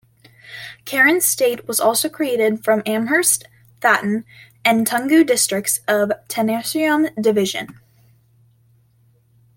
Karen State was also created from Amherst, Thaton, and Toungoo Districts of Tenasserim Division.